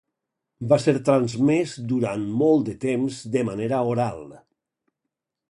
Va ser transmés durant molt de temps de manera oral.